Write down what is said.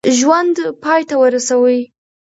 ژوند پای ته ورسوي.